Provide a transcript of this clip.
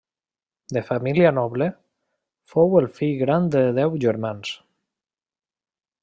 De família noble, fou el fill gran de deu germans.